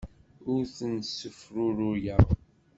Ur ten-ssefruruyeɣ.